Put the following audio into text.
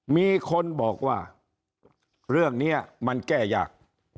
มีคนบอกว่าเรื่องนี้มันแก้ยาก